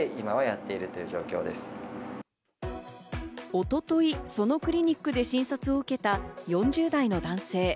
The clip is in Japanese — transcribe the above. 一昨日、そのクリニックで診察を受けた４０代の男性。